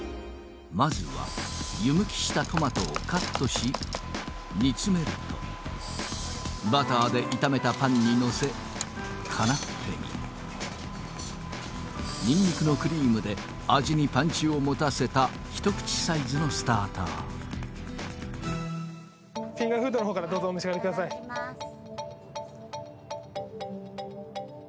まずは湯むきしたトマトをカットし煮詰めるとバターで炒めたパンにのせカナッペにニンニクのクリームで味にパンチを持たせたひと口サイズのスターターフィンガーフードのほうからどうぞお召し上がりくださいいただきます